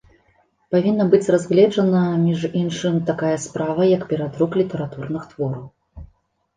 Павінна быць разгледжана, між іншым, такая справа, як перадрук літаратурных твораў.